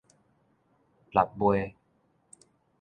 衲襪